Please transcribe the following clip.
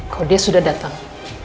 kalau dia sudah datang